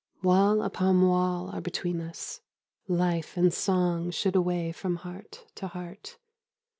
Wall upon wall are between us: life And song should away from heart to heart!